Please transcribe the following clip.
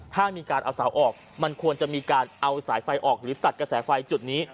ถ้ามีการเอาเสาออกมันควรจะมีการเอาสายไฟออกหรือตัดกระแสไฟจุดนี้